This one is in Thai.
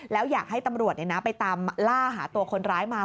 แล้วอยากให้ตำรวจไปตามล่าหาตัวคนร้ายมา